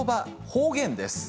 方言です。